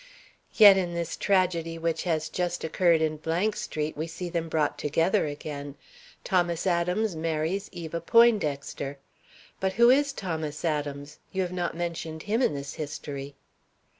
"Yet in this tragedy which has just occurred in Street we see them brought together again. Thomas Adams marries Eva Poindexter. But who is Thomas Adams? You have not mentioned him in this history."